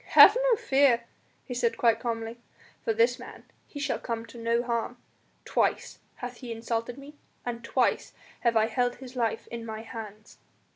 "Have no fear," he said quite calmly, "for this man. He shall come to no harm. Twice hath he insulted me and twice have I held his life in my hands."